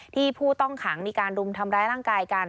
ผู้ต้องขังมีการรุมทำร้ายร่างกายกัน